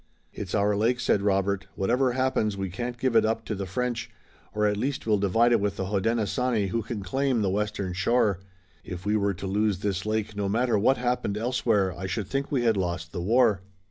"It's our lake," said Robert, "whatever happens we can't give it up to the French, or at least we'll divide it with the Hodenosaunee who can claim the western shore. If we were to lose this lake no matter what happened elsewhere I should think we had lost the war."